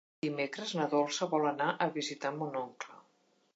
Dimecres na Dolça vol anar a visitar mon oncle.